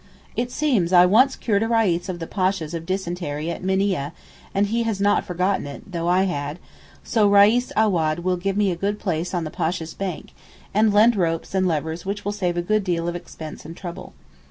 It seems I once cured a Reis of the Pasha's of dysentery at Minieh, and he has not forgotten it, though I had; so Reis Awad will give me a good place on the Pasha's bank, and lend ropes and levers which will save a deal of expense and trouble.